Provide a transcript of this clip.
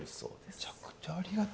めちゃくちゃありがたいそれは。